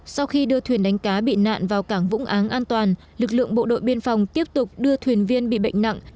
sau khi đưa thuyền đánh cá bị nạn vào cảng vũng áng an toàn lực lượng bộ đội biên phòng tiếp tục đưa thuyền viên bị bệnh nặng